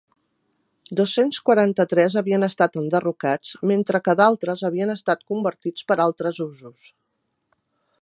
Dos-cents quaranta-tres havien estat enderrocats, mentre que d'altres havien estat convertits per altres usos.